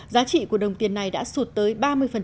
giá trị của đồng tiền này đã sụt tới một usd một bitcoin